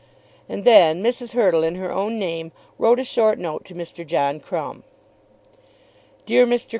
And then Mrs. Hurtle in her own name wrote a short note to Mr. John Crumb. DEAR MR.